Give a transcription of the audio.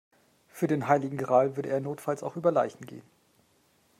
Für den heiligen Gral würde er notfalls auch über Leichen gehen.